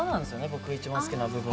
僕一番好きな部分。